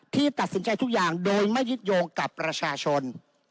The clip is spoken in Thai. ที่ตัดสินใจทุกอย่างโดยไม่ยึดโยงกับประชาชน